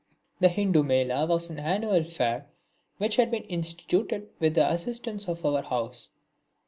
The Hindu Mela was an annual fair which had been instituted with the assistance of our house.